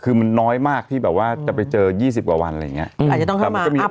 แต่ว่ามันน้อยมากที่จะไปเจอ๒๐กว่าวันอะไรอย่างนี้